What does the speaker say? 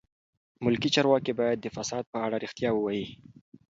ملکي چارواکي باید د فساد په اړه رښتیا ووایي.